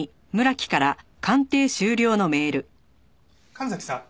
神崎さん